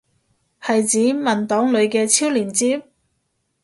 係指文檔裏嘅超連接？